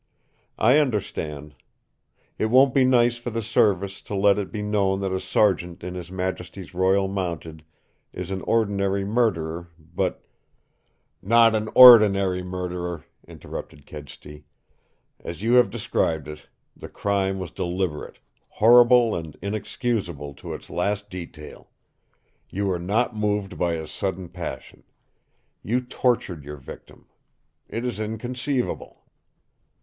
I understand. It won't be nice for the Service to let it be known that a sergeant in His Majesty's Royal Mounted is an ordinary murderer, but " "Not an ORDINARY murderer," interrupted Kedsty. "As you have described it, the crime was deliberate horrible and inexcusable to its last detail. You were not moved by a sudden passion. You tortured your victim. It is inconceivable!"